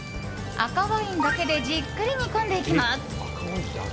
赤ワインだけでじっくり煮込んでいきます。